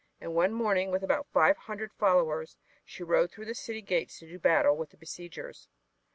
And one morning with about five hundred followers she rode through the city gates to do battle with the besiegers.